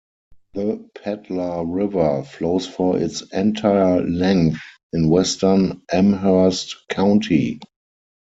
The Pedlar River flows for its entire length in western Amherst County.